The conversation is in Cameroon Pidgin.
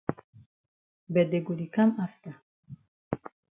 But dey go di kam afta.